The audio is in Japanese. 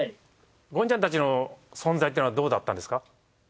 ゴンちゃんたちの存在ってのはどうだったんですか？